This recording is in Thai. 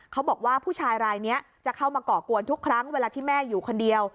เขาบอกว่าผู้ชายรายนี้จะเข้ามาก่อกวนทุกครั้งเวลาที่แม่อยู่คนเดียว